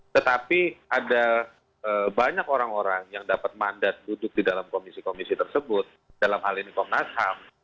tetapi ada banyak orang orang yang dapat mandat duduk di dalam komisi komisi tersebut dalam hal ini komnas ham